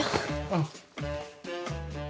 うん。